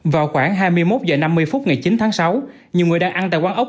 vào khoảng hai mươi một h năm mươi phút ngày chín tháng sáu nhiều người đang ăn tại quán ốc